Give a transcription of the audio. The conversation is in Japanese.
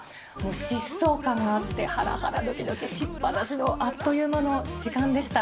疾走感があって、ハラハラドキドキしっぱなしのあっという間の時間でした。